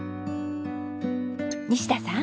西田さん。